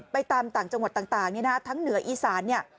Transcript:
ไปตามต่างจังหวัดต่างเนี่ยนะทั้งเหนืออีสานเนี่ย